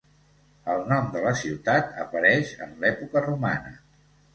El nom de la ciutat apareix en l'època romana.